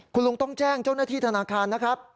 คุณลุงต้องแจ้งเจ้าหน้าที่ธนาคารนะครับ